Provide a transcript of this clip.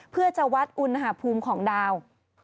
เพื่อจะวัดอุณหภูมิของดาว